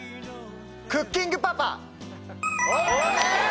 『クッキングパパ』。